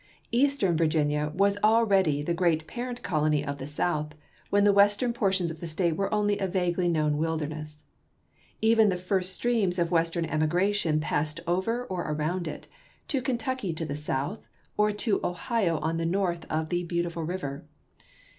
Eastern Virginia was already the great parent colony of the South, when the western portions of the State were only a vaguely known wilderness. Even the first streams of "Western 327 328 ABRAHAM LINCOLN Chap. XIX. emigration passed over or around it, to Kentucky on the south, or to Ohio on the north of " the beautiful river."